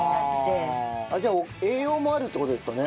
じゃあ栄養もあるって事ですかね？